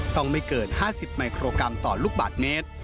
ไม่เกิน๕๐มิโครกรัมต่อลูกบาทเมตร